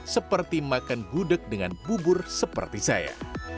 seperti makan gudeg dengan bubur seperti saya